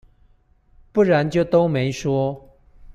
不然就都沒說